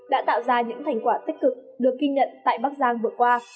đã tạo ra những thành quả tích cực được ghi nhận tại bắc giang vừa qua